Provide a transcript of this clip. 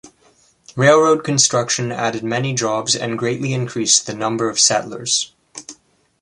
Railroad construction added many jobs and greatly increased the number of settlers.